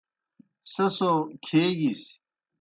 سہ سو کھیگِس۔